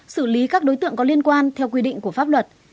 xử lý các đối tượng có liên quan theo quy định của pháp luật